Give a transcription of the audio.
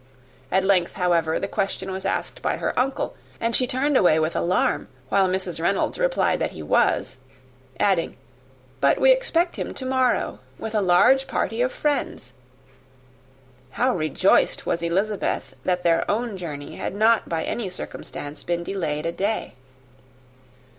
At length, however, the question was asked by her uncle; and she turned away with alarm, while Mrs. Reynolds replied, that he was; adding, "But we expect him to morrow, with a large party of friends." How rejoiced was Elizabeth that their own journey had not by any circumstance been delayed a day!